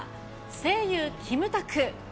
声優、キムタク。